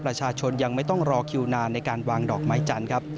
ประชาชนยังไม่ต้องรอคิวนานในการวางดอกไม้จันทร์ครับ